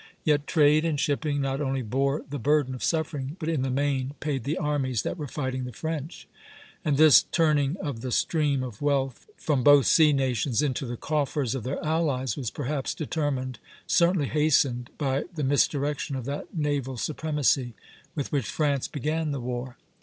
Yet trade and shipping not only bore the burden of suffering, but in the main paid the armies that were fighting the French; and this turning of the stream of wealth from both sea nations into the coffers of their allies was perhaps determined, certainly hastened, by the misdirection of that naval supremacy with which France began the war.